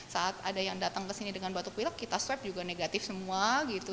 saat ada yang datang ke sini dengan batuk pilek kita swab juga negatif semua gitu